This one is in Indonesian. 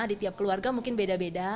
di tiap keluarga mungkin beda beda